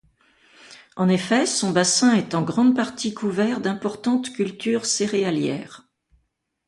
En effet son bassin est en grande partie couvert d'importantes cultures céréalières.